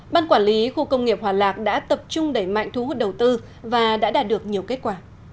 ban quản lý khu công nghiệp hòa lạc đã tập trung đẩy mạnh thu hút đầu tư và đã đạt được nhiều kết quả